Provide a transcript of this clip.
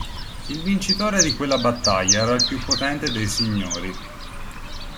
Il vincitore di quella battaglia era il più potente dei signori.